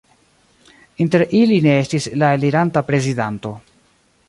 Inter ili ne estis la eliranta prezidanto.